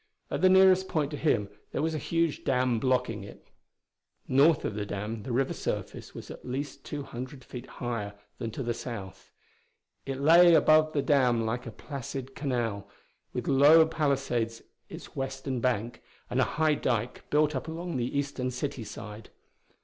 At the nearest point to him there was a huge dam blocking it. North of the dam the river surface was at least two hundred feet higher than to the south. It lay above the dam like a placid canal, with low palisades its western bank and a high dyke built up along the eastern city side.